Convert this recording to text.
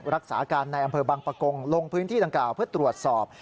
รักษาการในอำเภอบังปะกงลงพื้นที่ดังกล่าวเพื่อตรวจสอบ